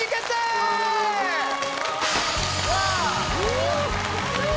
すごい！